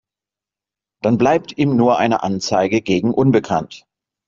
Dann bleibt ihm nur eine Anzeige gegen unbekannt.